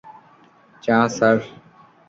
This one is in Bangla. চা, স্যার।